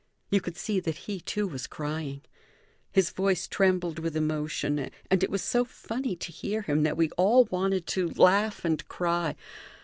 You could see that he, too, was crying; his voice trembled with emotion, and it was so funny to hear him that we all wanted to laugh and cry.